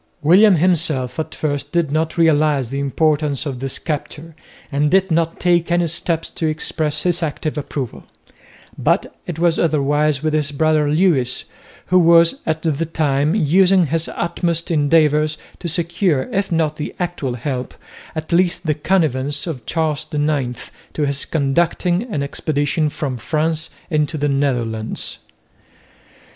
William himself at first did not realise the importance of this capture, and did not take any steps to express his active approval; but it was otherwise with his brother Lewis, who was at the time using his utmost endeavours to secure if not the actual help, at least the connivance, of Charles IX to his conducting an expedition from France into the Netherlands.